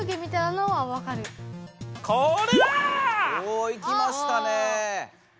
おいきましたね。